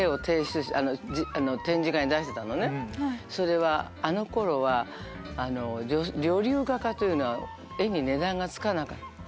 それはあの頃は女流画家というのは絵に値段が付かなかった。